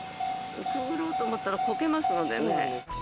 くぐろうと思ったらこけますのでね。